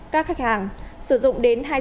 các khách hàng sử dụng đến